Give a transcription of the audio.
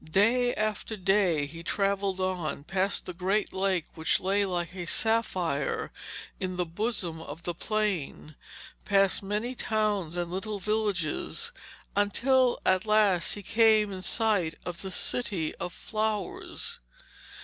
Day after day he travelled on, past the great lake which lay like a sapphire in the bosom of the plain, past many towns and little villages, until at last he came in sight of the City of Flowers.